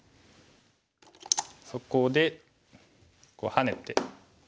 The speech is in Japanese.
そこでハネて。